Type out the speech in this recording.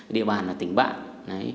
địa bàn là tỉnh bạn